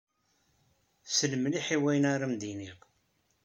Sel mliḥ i wayen ara am-d-iniɣ.